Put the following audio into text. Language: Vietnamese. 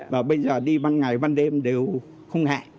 và bây giờ đi ban ngày ban đêm đều không ngại